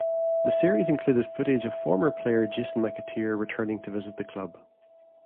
The series included footage of former player Jason McAteer returning to visit the club.